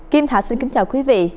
kim thạ xin kính chào quý vị